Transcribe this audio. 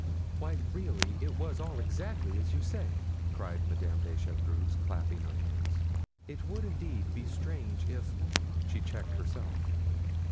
"Why, really, it was all exactly as you say!" cried Madame de Chevreuse, clapping her hands. "It would indeed be strange if——" she checked herself.